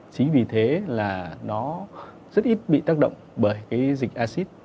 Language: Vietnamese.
chính vì thế nó rất ít bị tác động bởi dịch acid